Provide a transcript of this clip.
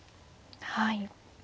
はい。